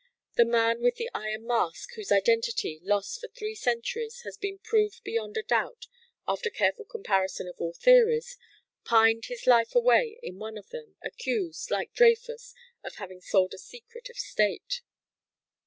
The "Man with the Iron Mask," whose identity, lost for three centuries, has been proved beyond a doubt after careful comparison of all theories,—pined his life away in one of them, accused, like Dreyfus, of having sold a secret of state.